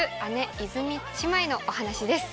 イズミ姉妹のお話です。